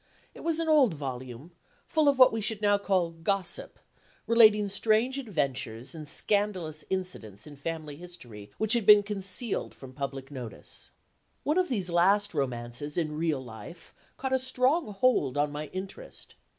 It was an old volume, full of what we should now call Gossip; relating strange adventures, and scandalous incidents in family history which had been concealed from public notice. One of these last romances in real life caught a strong hold on my interest.